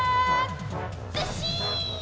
ずっしん！